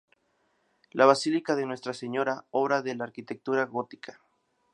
La basílica de Nuestra Señora, obra de la arquitectura gótica.